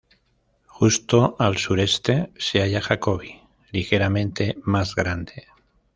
Justo al sureste se halla Jacobi, ligeramente más grande.